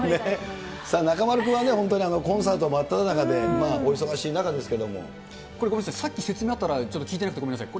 中丸君は本当にコンサート真っただ中で、これ、ごめんなさい、さっき説明あったら、ちょっと聞いてなくてごめんなさい。